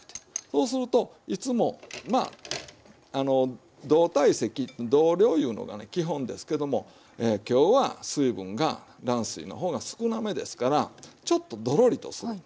そうするといつも同体積同量いうのが基本ですけども今日は水分が卵水の方が少なめですからちょっとドロリとする。